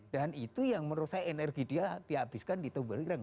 dan itu yang menurut saya energi dia dihabiskan di tunggal irang